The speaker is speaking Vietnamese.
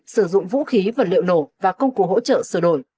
sử dụng vũ khí vật liệu nổ và công cụ hỗ trợ sửa đổi